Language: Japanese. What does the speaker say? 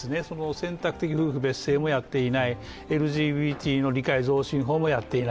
選択的夫婦別姓もやっていない、ＬＧＢＴの理解増進法もやっていない